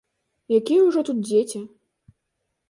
Якія ўжо тут дзеці?